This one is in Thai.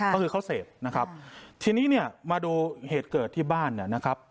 ก็คือเขาเสพนะครับทีนี้เนี่ยมาดูเหตุเกิดที่บ้านเนี่ยนะครับ